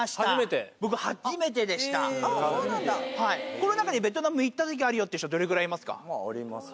この中にベトナム行ったときあるよって人どれぐらいいますか？